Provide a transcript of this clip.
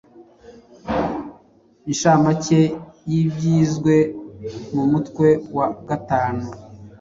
Inshamake y’ibyizwe mu mutwe wa gatanu